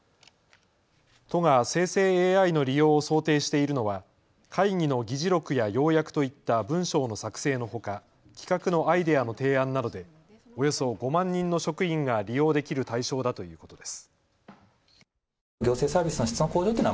都が生成ＡＩの利用を想定しているのは会議の議事録や要約といった文章の作成のほか企画のアイデアの提案などでおよそ５万人の職員が利用できる対象だということです。